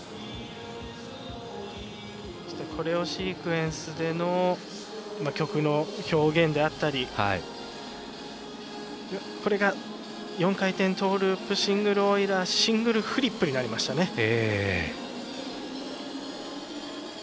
コレオシークエンスでの曲の表現であったりこれが４回転トーループシングルオイラーシングルフリップになりましたね。